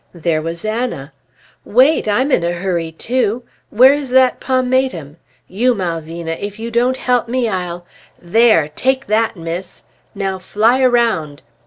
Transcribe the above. There was Anna, "Wait! I'm in a hurry, too! Where is that pomatum? You Malvina! if you don't help me, I'll There! take that, Miss! Now fly around!"